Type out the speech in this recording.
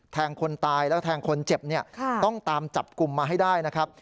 คนตายแล้วแทงคนเจ็บเนี่ยต้องตามจับกลุ่มมาให้ได้นะครับ